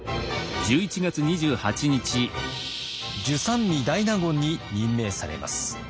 従三位大納言に任命されます。